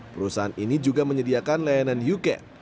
perusahaan ini juga menyediakan layanan uket